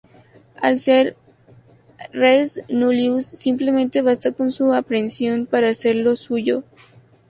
Al ser "res nullius", simplemente basta con su aprehensión para hacerlo suyo.